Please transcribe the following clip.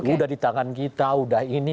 udah di tangan kita udah ini